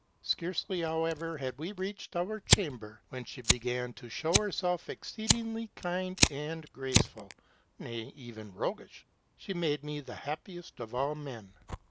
Scarcely, however, had we reached our chamber, when she began to show herself exceedingly kind and graceful, ŌĆö nay, even roguish : she made me the happiest of all men.